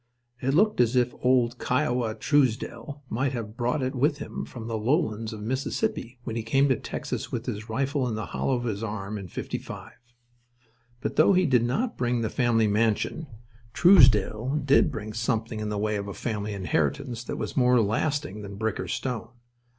It looked as if old "Kiowa" Truesdell might have brought it with him from the lowlands of Mississippi when he came to Texas with his rifle in the hollow of his arm in '55. But, though he did not bring the family mansion, Truesdell did bring something in the way of a family inheritance that was more lasting than brick or stone.